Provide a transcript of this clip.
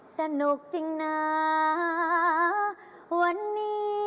สนุกจริงนะวันนี้